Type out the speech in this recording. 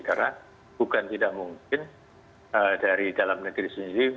karena bukan tidak mungkin dari dalam negeri sendiri